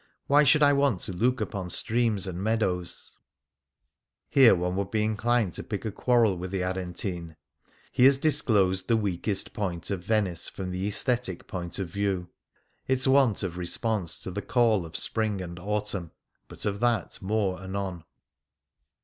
Why should I want to look upon streams and meadows ?" Here one would be inclined to pick a quarrel with the Aretine. He has disclosed the weakest point of Venice from the aesthetic point of view — its want of response to the call of spring and autumn — but of that more anon.